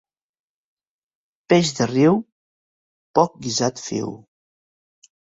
Peix de riu, poc guisat fiu.